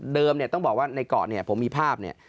เนี่ยต้องบอกว่าในเกาะเนี่ยผมมีภาพเนี่ย